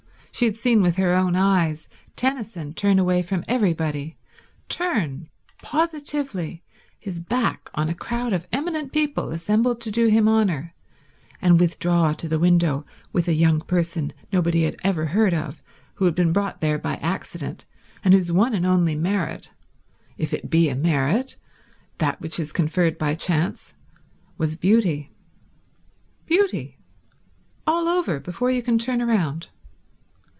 She had seen with her own eyes Tennyson turn away from everybody—turn, positively, his back on a crowd of eminent people assembled to do him honour, and withdraw to the window with a young person nobody had ever heard of, who had been brought there by accident and whose one and only merit—if it be a merit, that which is conferred by chance—was beauty. Beauty! All over before you can turn round.